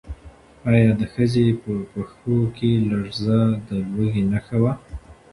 ایا د ښځې په پښو کې لړزه د لوږې نښه وه؟